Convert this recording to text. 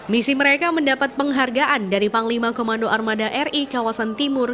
misi mereka mendapat penghargaan dari panglima komando armada ri kawasan timur